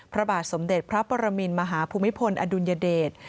พระบาทสมเด็จพระปรมินมหาภูมิพลอดุลยเดช